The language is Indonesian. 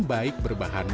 baik berbahan atau tidak